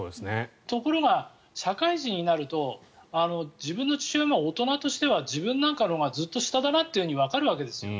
ところが、社会人になると自分の父親が大人としては自分なんかのほうがずっと下だってわかるわけなんですよね。